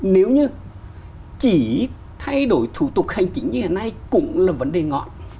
nếu như chỉ thay đổi thủ tục hành chính như thế này cũng là vấn đề ngọn